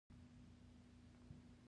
هغې سیکې را واخیستې او سملاسي په ژړا شوه